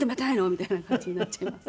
みたいな感じになっちゃいます。